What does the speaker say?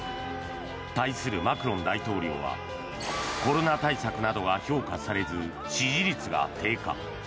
対するマクロン大統領はコロナ対策などが評価されず支持率が低下。